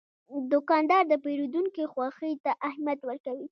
دوکاندار د پیرودونکي خوښي ته اهمیت ورکوي.